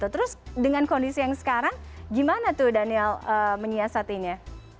terus dengan kondisi yang sekarang gimana tuh daniel menyiasatinya